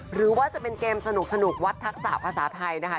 หรือว่าจะเป็นเกมสนุกวัดทักษะภาษาไทยนะคะ